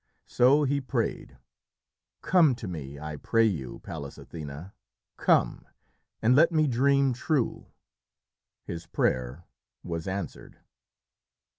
So he prayed, "Come to me! I pray you, Pallas Athené, come! and let me dream true." His prayer was answered.